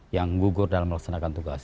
yang gugur dalam melaksanakan tugas